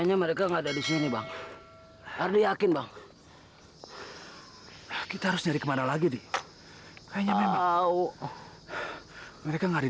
sampai jumpa di video selanjutnya